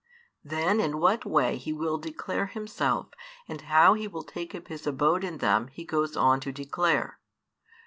Then in what way He will declare Himself and how He will take up His abode in them He goes on to declare.